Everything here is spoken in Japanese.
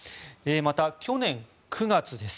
また去年９月です。